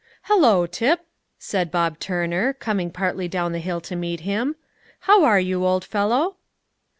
"Hallo, Tip!" said Bob Turner, coming partly down the hill to meet him. "How are you, old fellow?"